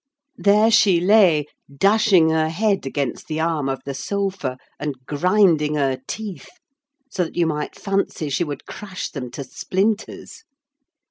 There she lay dashing her head against the arm of the sofa, and grinding her teeth, so that you might fancy she would crash them to splinters!